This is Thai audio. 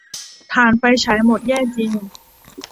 ถ่านไฟฉายหมด แย่จริง